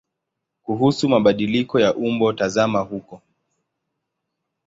Kuhusu mabadiliko ya umbo tazama huko.